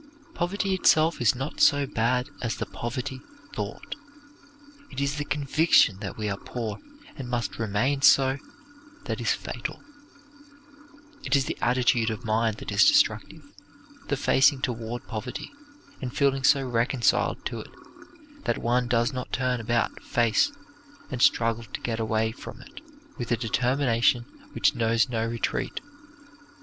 Poverty itself is not so bad as the poverty thought. It is the conviction that we are poor and must remain so that is fatal. It is the attitude of mind that is destructive, the facing toward poverty, and feeling so reconciled to it that one does not turn about face and struggle to get away from it with a determination which knows no retreat.